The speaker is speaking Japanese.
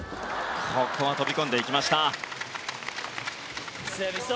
ここは飛び込んでいった山口。